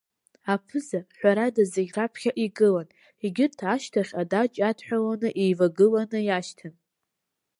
Аԥыза, ҳәарада, зегь раԥхьа игылан, егьырҭ ашьҭахь адаҷ иадҳәаланы еивагыланы иашьҭан.